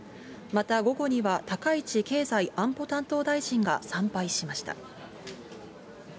また午後には、高市経済安保担当大臣が、参拝しました。